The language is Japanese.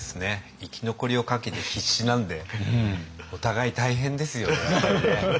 生き残りをかけて必死なんでお互い大変ですよねやっぱりね。